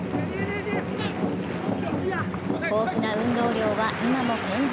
豊富な運動量は今も健在。